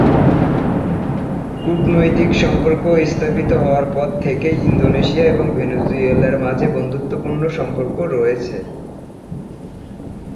কূটনৈতিক সম্পর্ক স্থাপিত হওয়ার পর থেকেই ইন্দোনেশিয়া এবং ভেনেজুয়েলার মাঝে বন্ধুত্বপূর্ণ সম্পর্ক রয়েছে।